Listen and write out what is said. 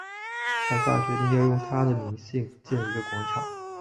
凯撒决定要用他的名兴建一个广场。